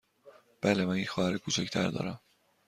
بله، من یک خواهر کوچک تر دارم.